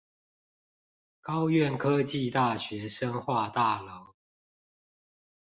高苑科技大學生化大樓